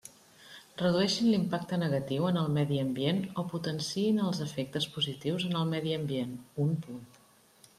Redueixin l'impacte negatiu en el medi ambient o potenciïn els efectes positius en el medi ambient: un punt.